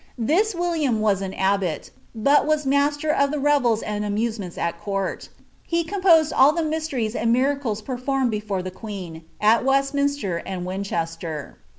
This William was an aSbot, but WW master of the revels or amusements at court; he com f>oKnt all the Mysteries and Miracles performed before the queen, at Westminster and Wiitch ester.